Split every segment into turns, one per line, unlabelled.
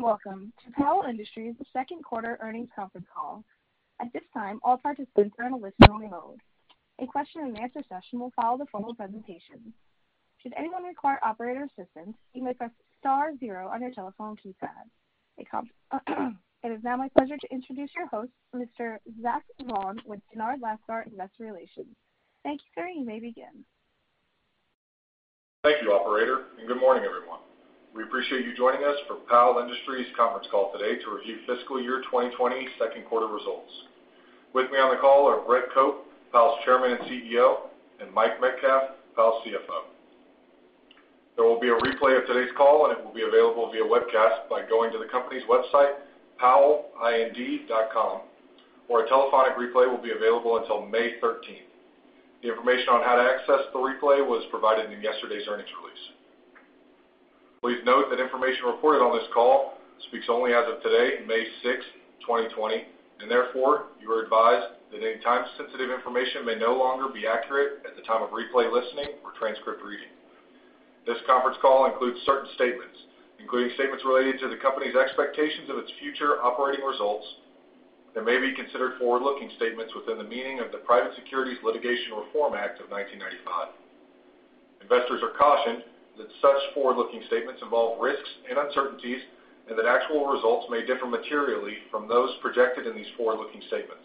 Welcome to Powell Industries' second quarter earnings conference call. At this time, all participants are in a listen-only mode. A question-and-answer session will follow the formal presentation. Should anyone require operator assistance, you may press star zero on your telephone keypad. It is now my pleasure to introduce your host, Mr. Zach Vaughan with Dennard Lascar Investor Relations. Thank you, sir, and you may begin.
Thank you, Operator, and good morning, everyone. We appreciate you joining us for Powell Industries' conference call today to review fiscal year 2020 second quarter results. With me on the call are Brett Cope, Powell's Chairman and CEO, and Mike Metcalf, Powell's CFO. There will be a replay of today's call, and it will be available via webcast by going to the company's website, powellind.com, or a telephonic replay will be available until May 13th. The information on how to access the replay was provided in yesterday's earnings release. Please note that information reported on this call speaks only as of today, May 6th, 2020, and therefore you are advised that any time-sensitive information may no longer be accurate at the time of replay listening or transcript reading. This conference call includes certain statements, including statements related to the company's expectations of its future operating results that may be considered forward-looking statements within the meaning of the Private Securities Litigation Reform Act of 1995. Investors are cautioned that such forward-looking statements involve risks and uncertainties, and that actual results may differ materially from those projected in these forward-looking statements.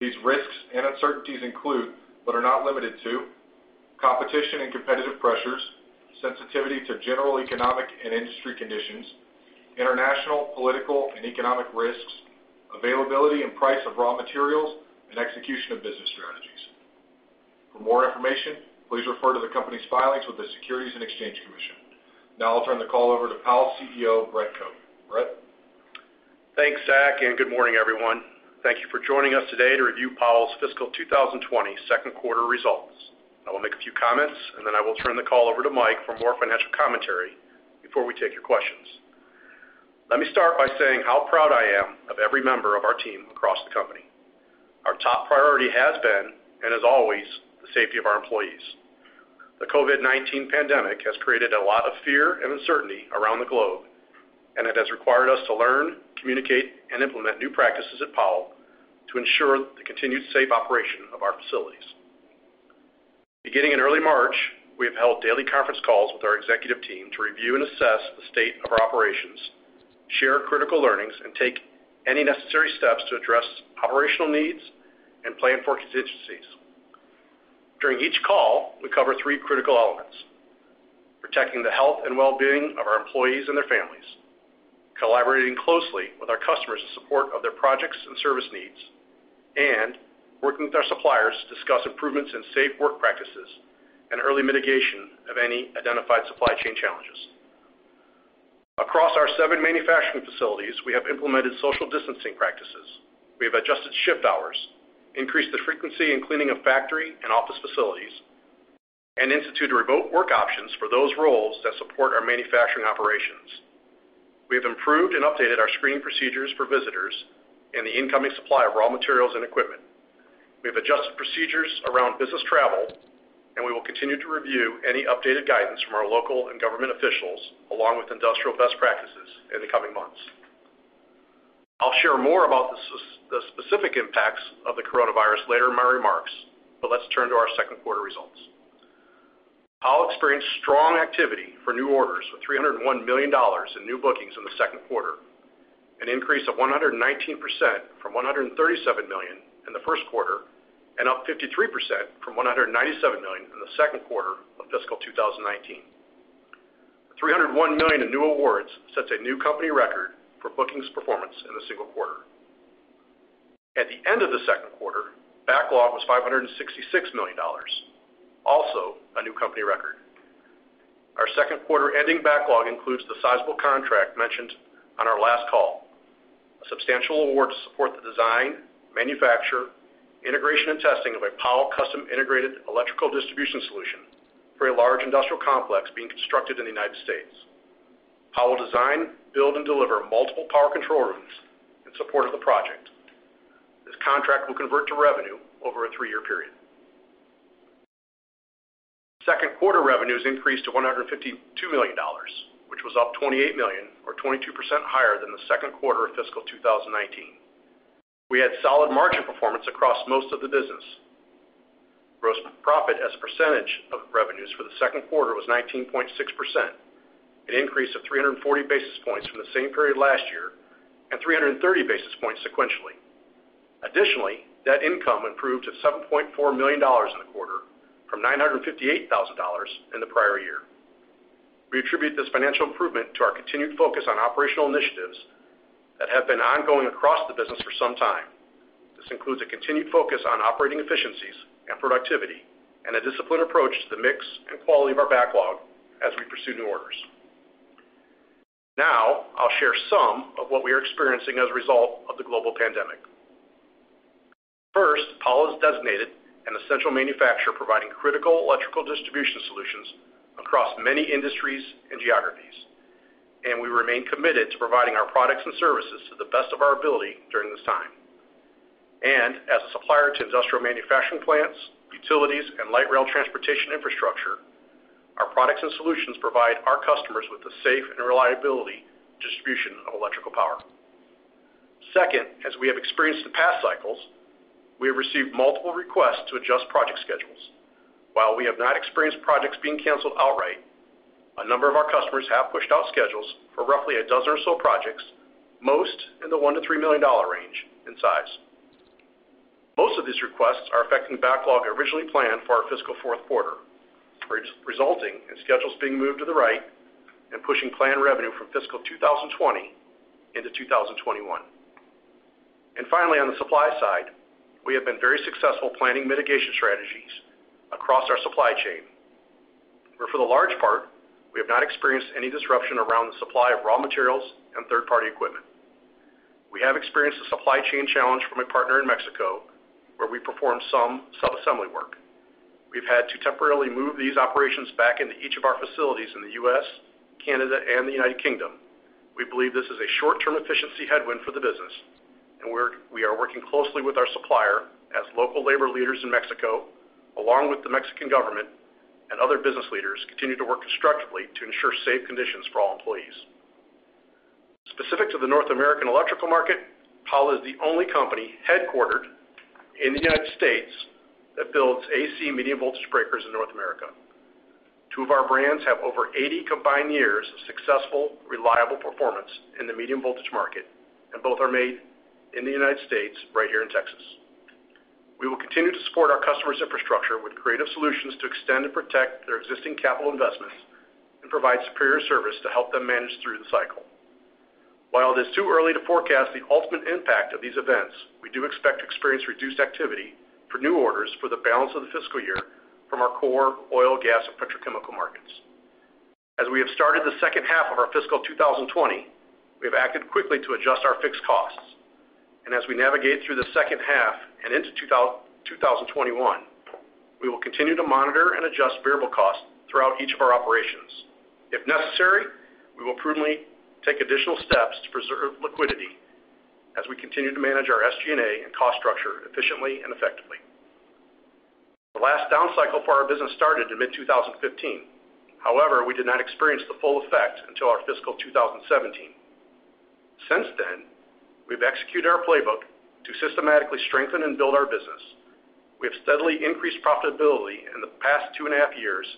These risks and uncertainties include, but are not limited to, competition and competitive pressures, sensitivity to general economic and industry conditions, international, political, and economic risks, availability and price of raw materials, and execution of business strategies. For more information, please refer to the company's filings with the Securities and Exchange Commission. Now I'll turn the call over to Powell's CEO, Brett Cope. Brett.
Thanks, Zach, and good morning, everyone. Thank you for joining us today to review Powell's fiscal 2020 second quarter results. I will make a few comments, and then I will turn the call over to Mike for more financial commentary before we take your questions. Let me start by saying how proud I am of every member of our team across the company. Our top priority has been, and has always, the safety of our employees. The COVID-19 pandemic has created a lot of fear and uncertainty around the globe, and it has required us to learn, communicate, and implement new practices at Powell to ensure the continued safe operation of our facilities. Beginning in early March, we have held daily conference calls with our executive team to review and assess the state of our operations, share critical learnings, and take any necessary steps to address operational needs and plan for contingencies. During each call, we cover three critical elements: protecting the health and well-being of our employees and their families, collaborating closely with our customers in support of their projects and service needs, and working with our suppliers to discuss improvements in safe work practices and early mitigation of any identified supply chain challenges. Across our seven manufacturing facilities, we have implemented social distancing practices. We have adjusted shift hours, increased the frequency and cleaning of factory and office facilities, and instituted remote work options for those roles that support our manufacturing operations. We have improved and updated our screening procedures for visitors and the incoming supply of raw materials and equipment. We have adjusted procedures around business travel, and we will continue to review any updated guidance from our local and government officials, along with industrial best practices in the coming months. I'll share more about the specific impacts of the coronavirus later in my remarks, but let's turn to our second quarter results. Powell experienced strong activity for new orders of $301 million in new bookings in the second quarter, an increase of 119% from $137 million in the first quarter and up 53% from $197 million in the second quarter of fiscal 2019. The $301 million in new awards sets a new company record for bookings performance in a single quarter. At the end of the second quarter, backlog was $566 million, also a new company record. Our second quarter-ending backlog includes the sizable contract mentioned on our last call, a substantial award to support the design, manufacture, integration, and testing of a Powell custom-integrated electrical distribution solution for a large industrial complex being constructed in the United States. Powell will design, build, and deliver multiple power control rooms in support of the project. This contract will convert to revenue over a three-year period. Second quarter revenues increased to $152 million, which was up $28 million, or 22% higher than the second quarter of fiscal 2019. We had solid margin performance across most of the business. Gross profit as a percentage of revenues for the second quarter was 19.6%, an increase of 340 basis points from the same period last year and 330 basis points sequentially. Additionally, net income improved to $7.4 million in the quarter from $958,000 in the prior year. We attribute this financial improvement to our continued focus on operational initiatives that have been ongoing across the business for some time. This includes a continued focus on operating efficiencies and productivity and a disciplined approach to the mix and quality of our backlog as we pursue new orders. Now I'll share some of what we are experiencing as a result of the global pandemic. First, Powell has designated an essential manufacturer providing critical electrical distribution solutions across many industries and geographies, and we remain committed to providing our products and services to the best of our ability during this time, and as a supplier to industrial manufacturing plants, utilities, and light rail transportation infrastructure, our products and solutions provide our customers with the safe and reliable distribution of electrical power. Second, as we have experienced in past cycles, we have received multiple requests to adjust project schedules. While we have not experienced projects being canceled outright, a number of our customers have pushed out schedules for roughly a dozen or so projects, most in the $1-$3 million range in size. Most of these requests are affecting backlog originally planned for our fiscal fourth quarter, resulting in schedules being moved to the right and pushing planned revenue from fiscal 2020 into 2021. And finally, on the supply side, we have been very successful planning mitigation strategies across our supply chain, where for the large part, we have not experienced any disruption around the supply of raw materials and third-party equipment. We have experienced a supply chain challenge from a partner in Mexico, where we performed some sub-assembly work. We've had to temporarily move these operations back into each of our facilities in the U.S., Canada, and the United Kingdom. We believe this is a short-term efficiency headwind for the business, and we are working closely with our supplier as local labor leaders in Mexico, along with the Mexican government and other business leaders, continue to work constructively to ensure safe conditions for all employees. Specific to the North American electrical market, Powell is the only company headquartered in the United States that builds AC medium voltage breakers in North America. Two of our brands have over 80 combined years of successful, reliable performance in the medium voltage market, and both are made in the United States right here in Texas. We will continue to support our customers' infrastructure with creative solutions to extend and protect their existing capital investments and provide superior service to help them manage through the cycle. While it is too early to forecast the ultimate impact of these events, we do expect to experience reduced activity for new orders for the balance of the fiscal year from our core oil, gas, and petrochemical markets. As we have started the second half of our fiscal 2020, we have acted quickly to adjust our fixed costs, and as we navigate through the second half and into 2021, we will continue to monitor and adjust variable costs throughout each of our operations. If necessary, we will prudently take additional steps to preserve liquidity as we continue to manage our SG&A and cost structure efficiently and effectively. The last down cycle for our business started in mid-2015. However, we did not experience the full effect until our fiscal 2017. Since then, we've executed our playbook to systematically strengthen and build our business. We have steadily increased profitability in the past two and a half years,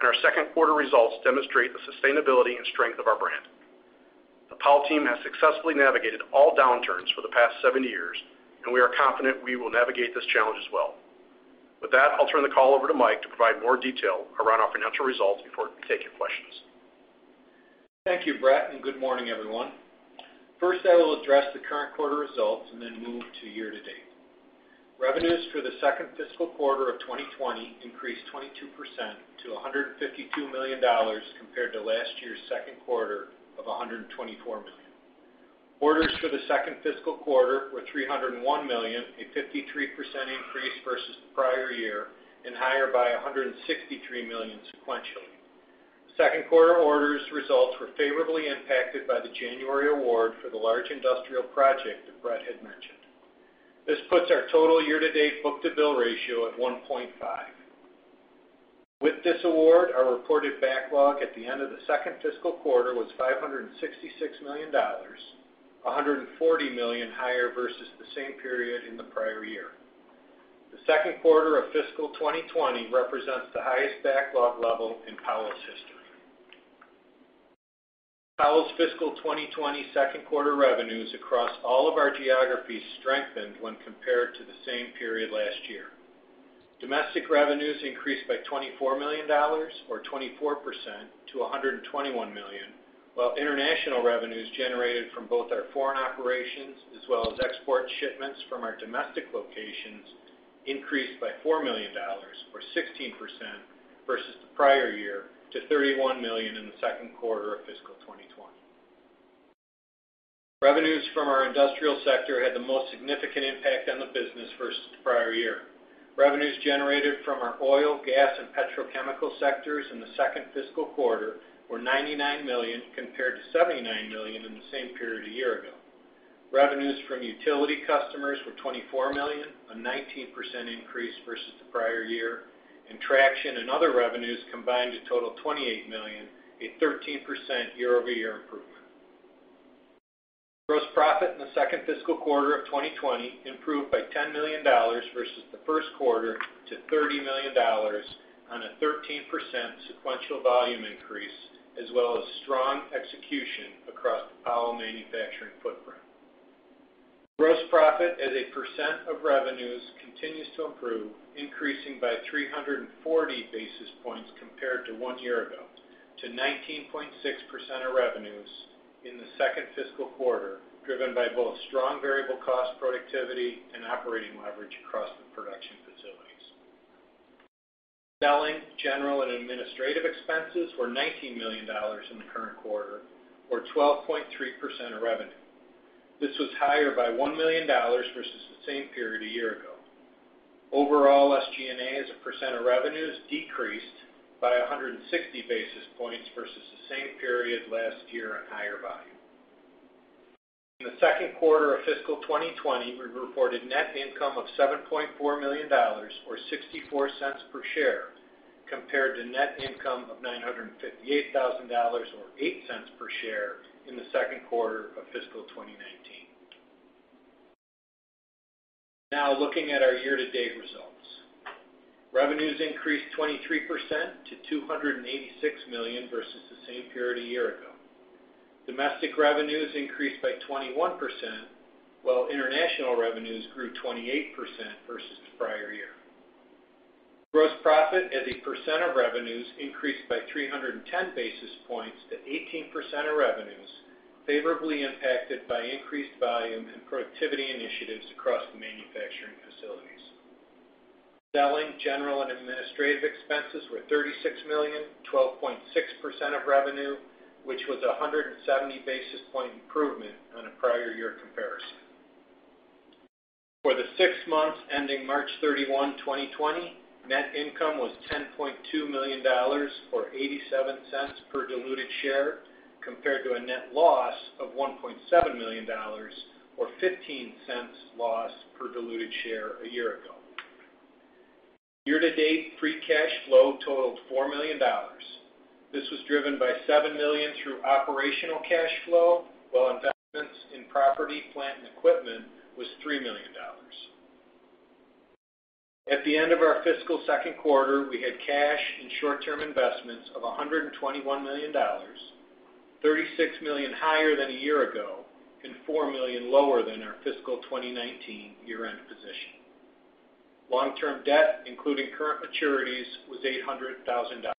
and our second quarter results demonstrate the sustainability and strength of our brand. The Powell team has successfully navigated all downturns for the past seven years, and we are confident we will navigate this challenge as well. With that, I'll turn the call over to Mike to provide more detail around our financial results before we take your questions.
Thank you, Brett, and good morning, everyone. First, I will address the current quarter results and then move to year-to-date. Revenues for the second fiscal quarter of 2020 increased 22% to $152 million compared to last year's second quarter of $124 million. Orders for the second fiscal quarter were $301 million, a 53% increase versus the prior year, and higher by $163 million sequentially. Second quarter orders' results were favorably impacted by the January award for the large industrial project that Brett had mentioned. This puts our total year-to-date book-to-bill ratio at 1.5. With this award, our reported backlog at the end of the second fiscal quarter was $566 million, $140 million higher versus the same period in the prior year. The second quarter of fiscal 2020 represents the highest backlog level in Powell's history. Powell's fiscal 2020 second quarter revenues across all of our geographies strengthened when compared to the same period last year. Domestic revenues increased by $24 million, or 24%, to $121 million, while international revenues generated from both our foreign operations as well as export shipments from our domestic locations increased by $4 million, or 16%, versus the prior year to $31 million in the second quarter of fiscal 2020. Revenues from our industrial sector had the most significant impact on the business versus the prior year. Revenues generated from our oil, gas, and petrochemical sectors in the second fiscal quarter were $99 million compared to $79 million in the same period a year ago. Revenues from utility customers were $24 million, a 19% increase versus the prior year, and traction and other revenues combined to total $28 million, a 13% year-over-year improvement. Gross profit in the second fiscal quarter of 2020 improved by $10 million versus the first quarter to $30 million on a 13% sequential volume increase, as well as strong execution across the Powell manufacturing footprint. Gross profit, as a percent of revenues, continues to improve, increasing by 340 basis points compared to one year ago, to 19.6% of revenues in the second fiscal quarter, driven by both strong variable cost productivity and operating leverage across the production facilities. Selling, general, and administrative expenses were $19 million in the current quarter, or 12.3% of revenue. This was higher by $1 million versus the same period a year ago. Overall, SG&A as a percent of revenues decreased by 160 basis points versus the same period last year on higher volume. In the second quarter of fiscal 2020, we reported net income of $7.4 million, or $0.64 per share, compared to net income of $958,000, or $0.08 per share in the second quarter of fiscal 2019. Now looking at our year-to-date results, revenues increased 23% to $286 million versus the same period a year ago. Domestic revenues increased by 21%, while international revenues grew 28% versus the prior year. Gross profit, as a percent of revenues, increased by 310 basis points to 18% of revenues, favorably impacted by increased volume and productivity initiatives across the manufacturing facilities. Selling, general, and administrative expenses were $36 million, 12.6% of revenue, which was a 170 basis points improvement on a prior year comparison. For the six months ending March 31, 2020, net income was $10.2 million, or $0.87 per diluted share, compared to a net loss of $1.7 million, or $0.15 loss per diluted share a year ago. Year-to-date free cash flow totaled $4 million. This was driven by $7 million through operational cash flow, while investments in property, plant, and equipment was $3 million. At the end of our fiscal second quarter, we had cash and short-term investments of $121 million, $36 million higher than a year ago and $4 million lower than our fiscal 2019 year-end position. Long-term debt, including current maturities, was $800,000.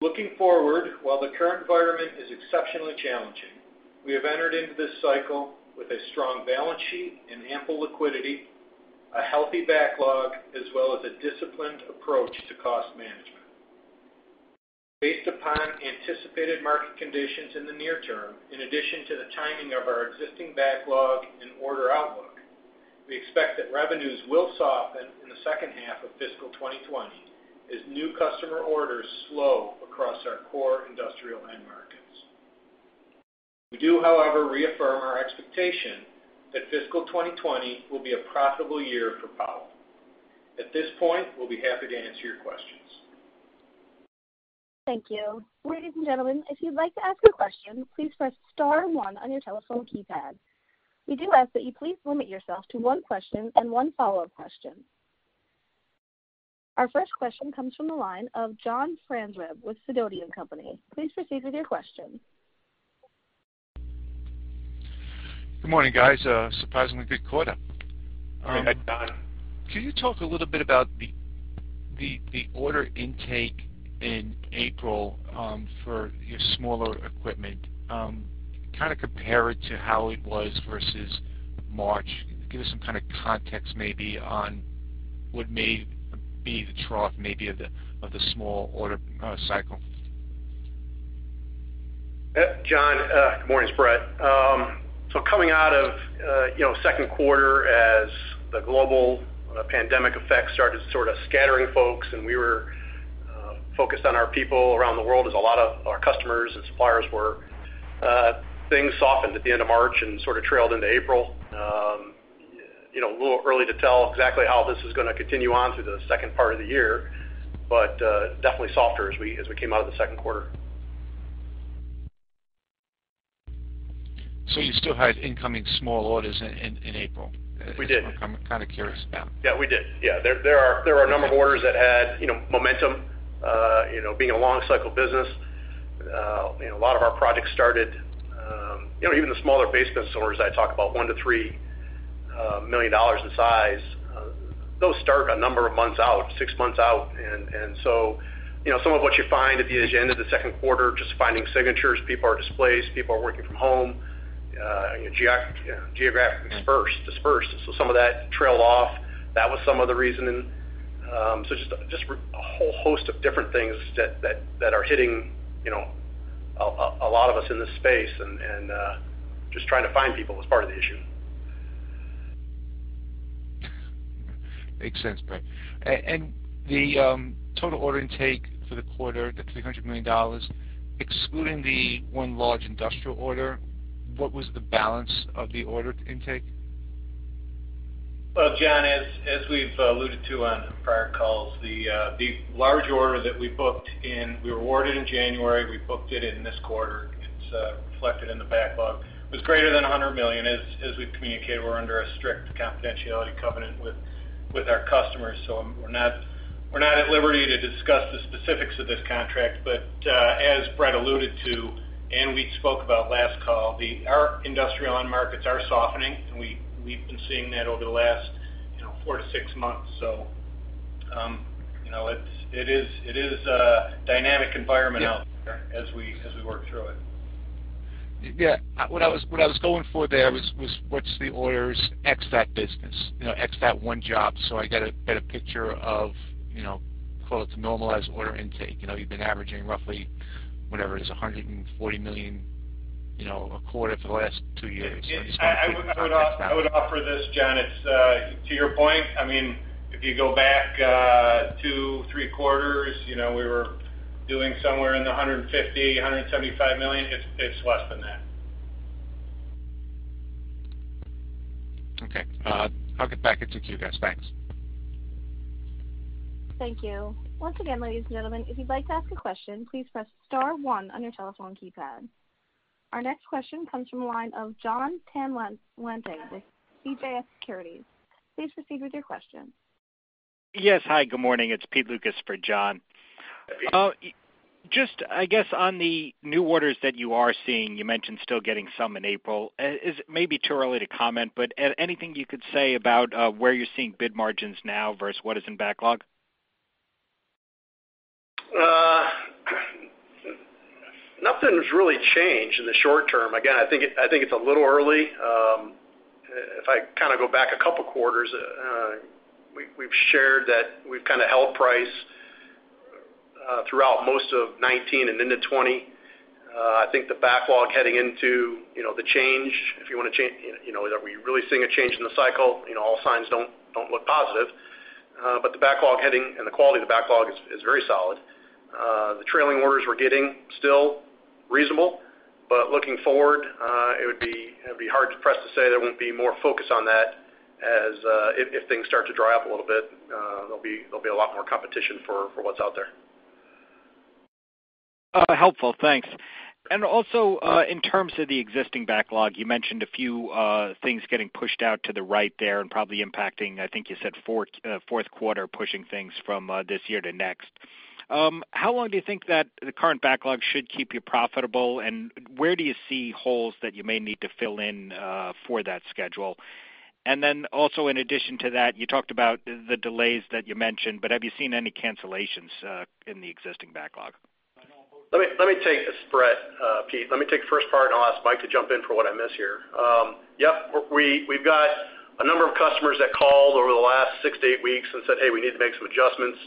Looking forward, while the current environment is exceptionally challenging, we have entered into this cycle with a strong balance sheet and ample liquidity, a healthy backlog, as well as a disciplined approach to cost management. Based upon anticipated market conditions in the near term, in addition to the timing of our existing backlog and order outlook, we expect that revenues will soften in the second half of fiscal 2020 as new customer orders slow across our core industrial end markets. We do, however, reaffirm our expectation that fiscal 2020 will be a profitable year for Powell. At this point, we'll be happy to answer your questions.
Thank you. Ladies and gentlemen, if you'd like to ask a question, please press star one on your telephone keypad. We do ask that you please limit yourself to one question and one follow-up question. Our first question comes from the line of John Franzreb with Sidoti & Company. Please proceed with your question.
Good morning, guys. Surprisingly good quarter.
Good morning.
Can you talk a little bit about the order intake in April for your smaller equipment? Kind of compare it to how it was versus March. Give us some kind of context, maybe, on what may be the trough, maybe, of the small order cycle.
John, good morning, it's Brett. So coming out of second quarter as the global pandemic effects started sort of scattering folks, and we were focused on our people around the world as a lot of our customers and suppliers were, things softened at the end of March and sort of trailed into April. A little early to tell exactly how this is going to continue on through the second part of the year, but definitely softer as we came out of the second quarter.
So you still had incoming small orders in April?
We did.
I'm kind of curious about.
Yeah, we did. Yeah. There are a number of orders that had momentum being a long-cycle business. A lot of our projects started even the smaller base business orders. I talk about $1 million-$3 million in size. Those start a number of months out, six months out. And so some of what you find at the end of the second quarter, just finding signatures, people are displaced, people are working from home, geographically dispersed. So some of that trailed off. That was some of the reasoning. So just a whole host of different things that are hitting a lot of us in this space and just trying to find people was part of the issue.
Makes sense, Brett. And the total order intake for the quarter, the $300 million, excluding the one large industrial order, what was the balance of the order intake?
John, as we've alluded to on prior calls, the large order that we were awarded in January. We booked it in this quarter. It's reflected in the backlog. It was greater than $100 million. As we've communicated, we're under a strict confidentiality covenant with our customers, so we're not at liberty to discuss the specifics of this contract. But as Brett alluded to, and we spoke about last call, our industrial end markets are softening, and we've been seeing that over the last four to six months. It is a dynamic environment out there as we work through it.
Yeah. What I was going for there was what's the orders ex that business, ex that one job, so I get a better picture of, call it the normalized order intake. You've been averaging roughly, whatever it is, $140 million a quarter for the last two years.
Yeah. I would offer this, John. To your point, I mean, if you go back two, three quarters, we were doing somewhere in the $150-$175 million. It's less than that.
Okay. I'll get back into it with you guys. Thanks.
Thank you. Once again, ladies and gentlemen, if you'd like to ask a question, please press star one on your telephone keypad. Our next question comes from the line of Jon Tanwanteng with CJS Securities. Please proceed with your question.
Yes. Hi, good morning. It's Pete Lucas for Jon.
Hi.
Just, I guess, on the new orders that you are seeing, you mentioned still getting some in April. It may be too early to comment, but anything you could say about where you're seeing bid margins now versus what is in backlog?
Nothing's really changed in the short term. Again, I think it's a little early. If I kind of go back a couple quarters, we've shared that we've kind of held price throughout most of 2019 and into 2020. I think the backlog heading into the change, if you want to change, that we're really seeing a change in the cycle. All signs don't look positive. But the backlog heading and the quality of the backlog is very solid. The trailing orders we're getting still reasonable, but looking forward, it would be hard to press to say there won't be more focus on that as if things start to dry up a little bit, there'll be a lot more competition for what's out there.
Helpful. Thanks. And also, in terms of the existing backlog, you mentioned a few things getting pushed out to the right there and probably impacting, I think you said fourth quarter, pushing things from this year to next. How long do you think that the current backlog should keep you profitable, and where do you see holes that you may need to fill in for that schedule? And then also, in addition to that, you talked about the delays that you mentioned, but have you seen any cancellations in the existing backlog?
Let me take this, Brett, Pete. Let me take the first part, and I'll ask Mike to jump in for what I missed here. Yep. We've got a number of customers that called over the last six to eight weeks and said, "Hey, we need to make some adjustments."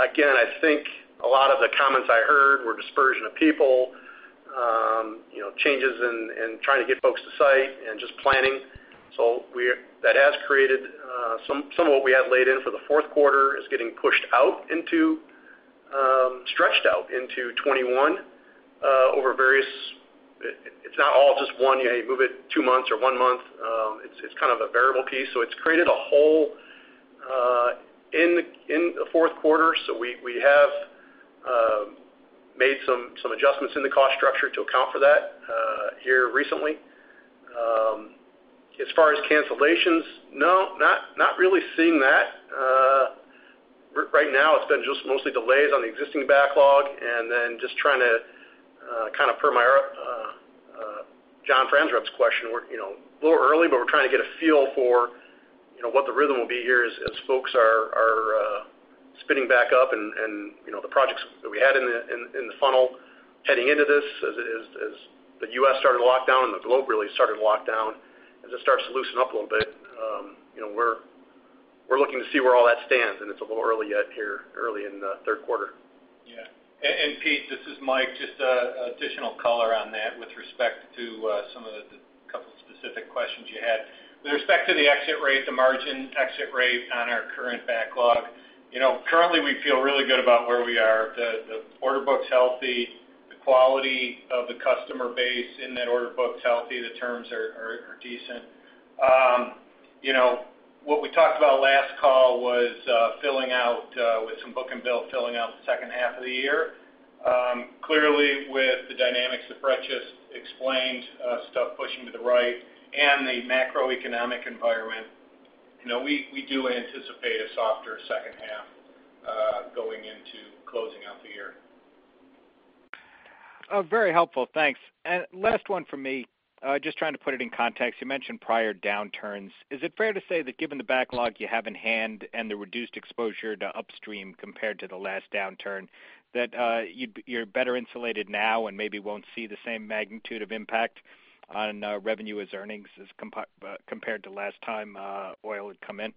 Again, I think a lot of the comments I heard were dispersion of people, changes in trying to get folks to site, and just planning, so that has created some of what we had laid in for the fourth quarter. It's getting pushed out into, stretched out into 2021 over various. It's not all just one. You move it two months or one month. It's kind of a variable piece, so it's created a hole in the fourth quarter, so we have made some adjustments in the cost structure to account for that here recently. As far as cancellations, no, not really seeing that. Right now, it's been just mostly delays on the existing backlog and then just trying to kind of per my John Franzreb's question, we're a little early, but we're trying to get a feel for what the rhythm will be here as folks are spinning back up and the projects that we had in the funnel heading into this, as the U.S. started to lock down and the globe really started to lock down, as it starts to loosen up a little bit, we're looking to see where all that stands, and it's a little early yet here, early in the third quarter.
Yeah. Pete, this is Mike, just an additional color on that with respect to some of the couple specific questions you had. With respect to the exit rate, the margin exit rate on our current backlog, currently, we feel really good about where we are. The order book's healthy. The quality of the customer base in that order book's healthy. The terms are decent. What we talked about last call was filling out with some book and bill, filling out the second half of the year. Clearly, with the dynamics that Brett just explained, stuff pushing to the right and the macroeconomic environment, we do anticipate a softer second half going into closing out the year.
Very helpful. Thanks. And last one from me, just trying to put it in context. You mentioned prior downturns. Is it fair to say that given the backlog you have in hand and the reduced exposure to upstream compared to the last downturn, that you're better insulated now and maybe won't see the same magnitude of impact on revenue as earnings compared to last time oil had come in?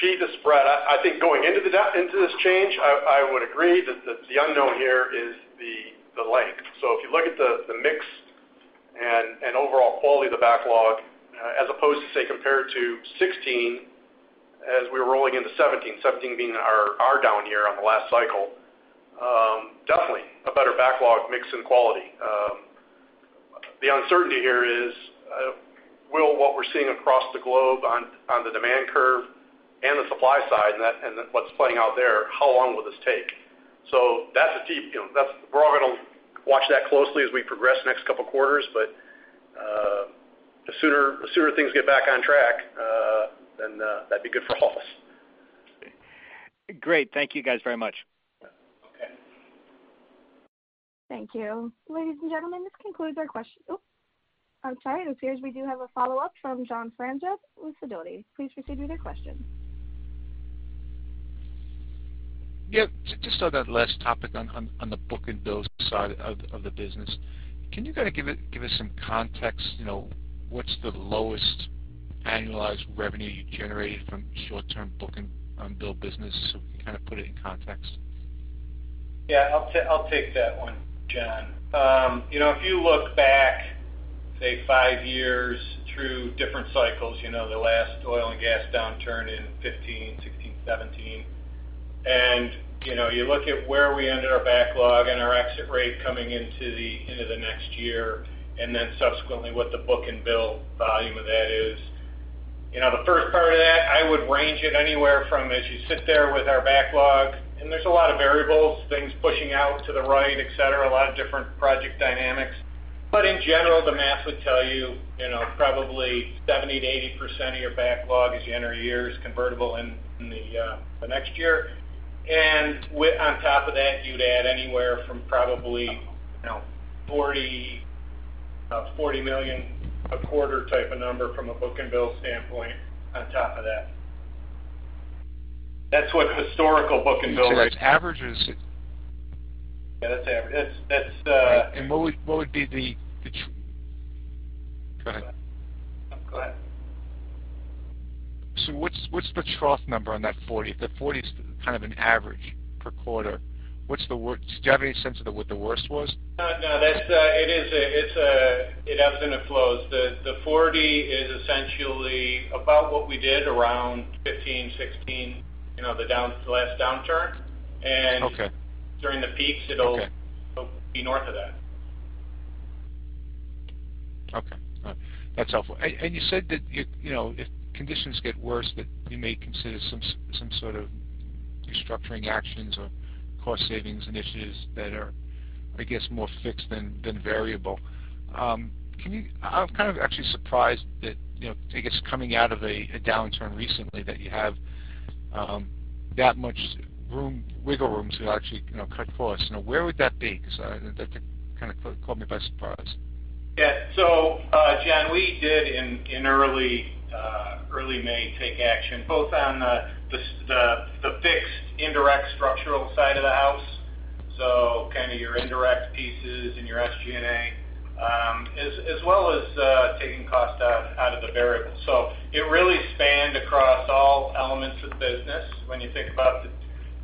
Pete, this is Brett. I think going into this change, I would agree that the unknown here is the length. So if you look at the mix and overall quality of the backlog, as opposed to, say, compared to 2016, as we were rolling into 2017, 2017 being our down year on the last cycle, definitely a better backlog mix and quality. The uncertainty here is, will what we're seeing across the globe on the demand curve and the supply side and what's playing out there, how long will this take? So that's a deep we're all going to watch that closely as we progress next couple quarters, but the sooner things get back on track, then that'd be good for all of us.
Great. Thank you guys very much.
Okay.
Thank you. Ladies and gentlemen, this concludes our questions. Oops. I'm sorry. It appears we do have a follow-up from John Franzreb with Sidoti. Please proceed with your question.
Yeah. Just on that last topic on the book-to-bill side of the business, can you kind of give us some context? What's the lowest annualized revenue you generated from short-term book-to-bill business? So we can kind of put it in context.
Yeah. I'll take that one, John. If you look back, say, five years through different cycles, the last oil and gas downturn in 2015, 2016, 2017, and you look at where we ended our backlog and our exit rate coming into the next year, and then subsequently what the book and bill volume of that is, the first part of that, I would range it anywhere from as you sit there with our backlog, and there's a lot of variables, things pushing out to the right, etc., a lot of different project dynamics, but in general, the math would tell you probably 70%-80% of your backlog as you enter years convertible in the next year, and on top of that, you'd add anywhere from probably $40 million a quarter type of number from a book and bill standpoint on top of that. That's what historical book-to-bill.
Averages it.
Yeah, that's average. That's.
And what would be the?
Go ahead.
Go ahead. So what's the trough number on that 40? The 40 is kind of an average per quarter. What's the worst? Do you have any sense of what the worst was?
No, no. It is, it ebbs and it flows. The 40 is essentially about what we did around 2015, 2016, the last downturn, and during the peaks, it'll be north of that.
Okay. That's helpful, and you said that if conditions get worse, that you may consider some sort of restructuring actions or cost savings initiatives that are, I guess, more fixed than variable. I'm kind of actually surprised that, I guess, coming out of a downturn recently, that you have that much wiggle room to actually cut costs. Where would that be? Because that kind of caught me by surprise.
Yeah, so John, we did in early May take action both on the fixed indirect structural side of the house, so kind of your indirect pieces and your SG&A, as well as taking cost out of the variable, so it really spanned across all elements of the business. When you think about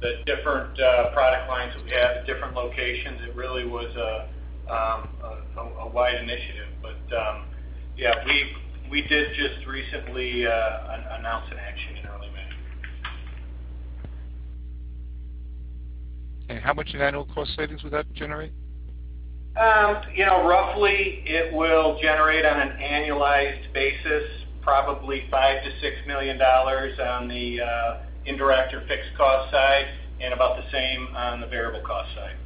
the different product lines that we have at different locations, it really was a wide initiative, but yeah, we did just recently announce an action in early May.
How much in annual cost savings would that generate?
Roughly, it will generate on an annualized basis, probably $5-$6 million on the indirect or fixed cost side and about the same on the variable cost side,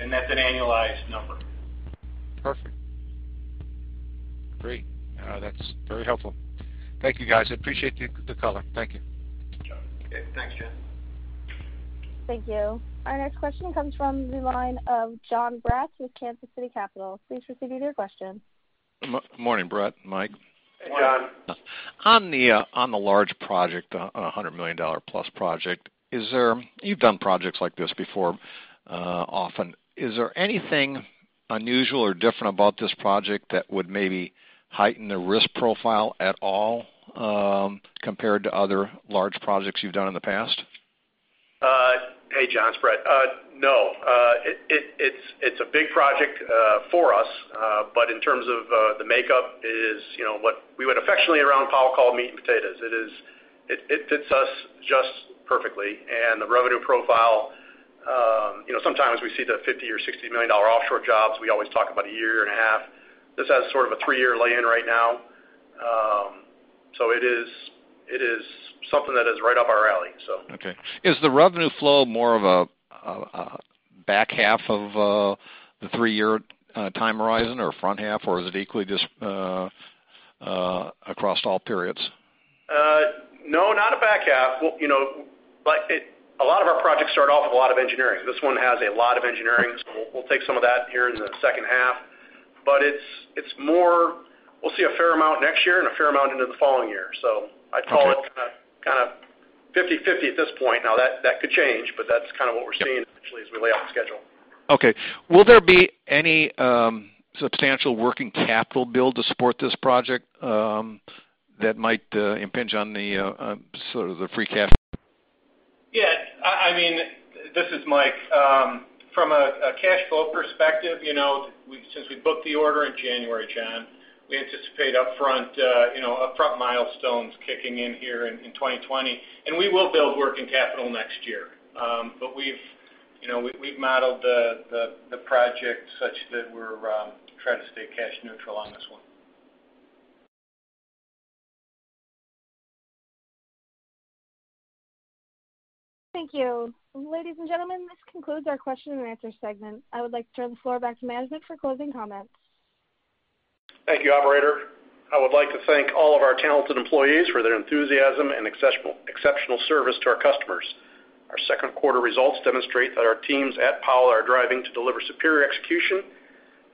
and that's an annualized number.
Perfect. Great. That's very helpful. Thank you, guys. I appreciate the color. Thank you.
Okay. Thanks, John.
Thank you. Our next question comes from the line of Jon Braatz with Kansas City Capital. Please proceed with your question.
Morning, Brett. Mike.
Hey, John.
On the large project, the $100 million plus project, you've done projects like this before often. Is there anything unusual or different about this project that would maybe heighten the risk profile at all compared to other large projects you've done in the past?
Hey, John, Brett. No. It's a big project for us, but in terms of the makeup, it is what we would affectionately around Powell called meat and potatoes. It fits us just perfectly. And the revenue profile, sometimes we see the $50 or $60 million offshore jobs. We always talk about a year and a half. This has sort of a three-year lay-in right now. So it is something that is right up our alley, so.
Okay. Is the revenue flow more of a back half of the three-year time horizon or front half, or is it equally just across all periods?
No, not a back half. A lot of our projects start off with a lot of engineering. This one has a lot of engineering, so we'll take some of that here in the second half, but it's more we'll see a fair amount next year and a fair amount into the following year, so I'd call it kind of 50/50 at this point. Now, that could change, but that's kind of what we're seeing essentially as we lay out the schedule.
Okay. Will there be any substantial working capital bill to support this project that might impinge on sort of the free cash flow?
Yeah. I mean, this is Mike. From a cash flow perspective, since we booked the order in January, John, we anticipate upfront milestones kicking in here in 2020. And we will build working capital next year, but we've modeled the project such that we're trying to stay cash neutral on this one.
Thank you. Ladies and gentlemen, this concludes our question and answer segment. I would like to turn the floor back to management for closing comments.
Thank you, operator. I would like to thank all of our talented employees for their enthusiasm and exceptional service to our customers. Our second quarter results demonstrate that our teams at Powell are driving to deliver superior execution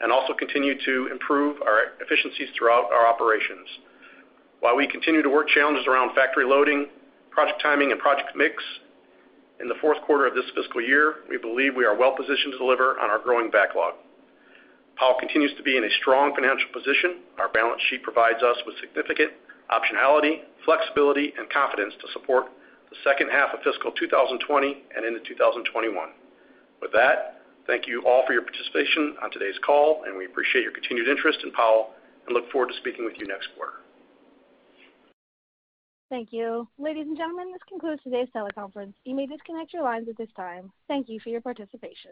and also continue to improve our efficiencies throughout our operations. While we continue to work challenges around factory loading, project timing, and project mix in the fourth quarter of this fiscal year, we believe we are well positioned to deliver on our growing backlog. Powell continues to be in a strong financial position. Our balance sheet provides us with significant optionality, flexibility, and confidence to support the second half of fiscal 2020 and into 2021. With that, thank you all for your participation on today's call, and we appreciate your continued interest in Powell and look forward to speaking with you next quarter.
Thank you. Ladies and gentlemen, this concludes today's teleconference. You may disconnect your lines at this time. Thank you for your participation.